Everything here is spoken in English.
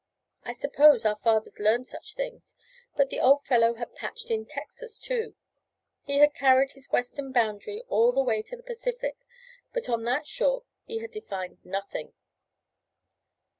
I suppose our fathers learned such things: but the old fellow had patched in Texas, too; he had carried his western boundary all the way to the Pacific, but on that shore he had defined nothing.